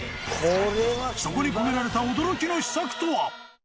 そこに込められた驚きの秘策とは。